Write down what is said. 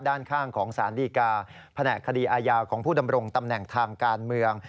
ด้านข้างของสารดีกาแผนกคดีอาญาของผู้ดำรงตำแหน่งทางการเมือง